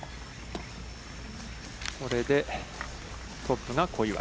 これで、トップが小祝。